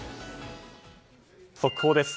速報です。